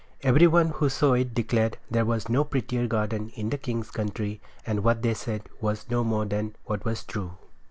Every one who saw it declared there was no prettier garden in the king's country and what they said was no more than what was true.